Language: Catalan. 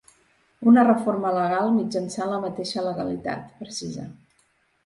Una reforma legal mitjançant la mateixa legalitat, precisa.